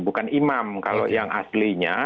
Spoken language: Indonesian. bukan imam kalau yang aslinya